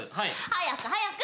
早く早く！